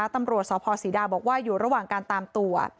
ตำรวจสพศรีดาบอกว่าอยู่ระหว่างการตามตัว